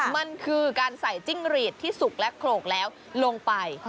มันคือการใส่จิ้งหรีดที่สุกและโขลกแล้วลงไป